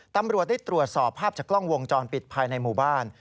ตำรวจได้ตรวจสอบภาพจากกล้องวงจรปิดภายในหมู่บ้าน